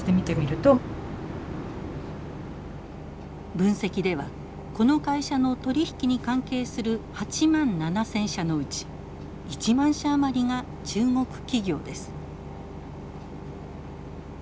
分析ではこの会社の取り引きに関係する８万７，０００社のうち１万社余りが中国企業です。